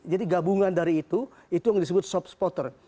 jadi gabungan dari itu itu yang disebut soft spotter